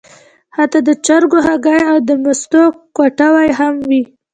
حتی د چرګو هګۍ او د مستو کټوۍ هم وې.